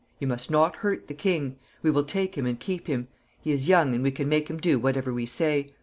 You must not hurt the king. We will take him and keep him. He is young, and we can make him do whatever we say.